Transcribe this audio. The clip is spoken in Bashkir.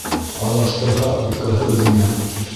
Аҙаштырһа, үпкәһе үҙеңә.